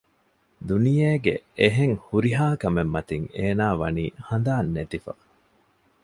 ދުނިޔޭގެ އެހެން ހުރިހާކަމެއް މަތިން އޭނާ ވަނީ ހަނދާން ނެތިފަ